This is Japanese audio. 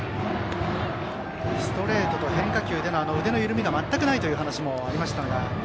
ストレートと変化球での腕の緩みが全くないというお話もありました。